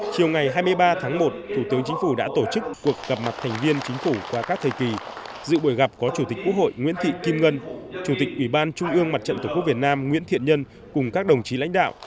chiều ngày hai mươi ba tháng một thủ tướng chính phủ đã tổ chức cuộc gặp mặt thành viên chính phủ qua các thời kỳ dự buổi gặp có chủ tịch quốc hội nguyễn thị kim ngân chủ tịch ủy ban trung ương mặt trận tổ quốc việt nam nguyễn thiện nhân cùng các đồng chí lãnh đạo